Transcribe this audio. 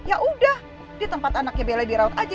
yaudah di tempat anaknya bella dirawat aja